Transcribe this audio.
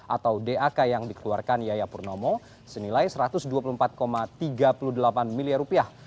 atau dak yang dikeluarkan yaya purnomo senilai satu ratus dua puluh empat tiga puluh delapan miliar rupiah